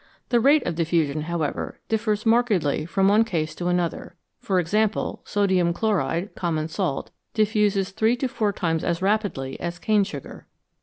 The rate of diffusion, however, differs markedly from one case to another ; for example, sodium chloride (common salt) diffuses three to four times as rapidly as cane sugar.